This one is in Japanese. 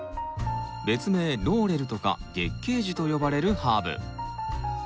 別名ローレルとか月けい樹と呼ばれるハーブ。